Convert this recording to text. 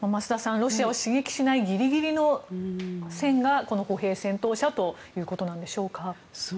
ロシアを刺激しないギリギリの線が歩兵戦闘車ということなんでしょうか。